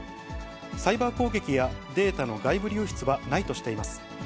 サイバー攻撃やデータの外部流出はないとしています。